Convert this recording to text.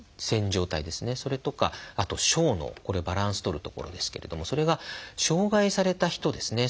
それとかあと小脳これはバランスとる所ですけれどもそれが障害された人ですね。